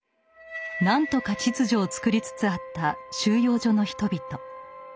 何とか秩序を作りつつあった収容所の人々。